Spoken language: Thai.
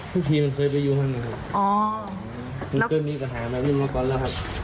ก็ทีเขาเคยไปอยู่ห้างนั้นค่ะ